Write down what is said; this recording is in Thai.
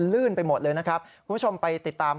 ลื่นไปหมดเลยนะครับคุณผู้ชมไปติดตาม